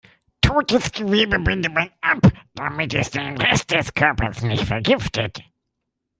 Totes Gewebe bindet man ab, damit es den Rest der Körpers nicht vergiftet.